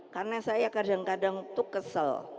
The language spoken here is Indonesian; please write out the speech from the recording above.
karena saya kadang kadang tuh kesel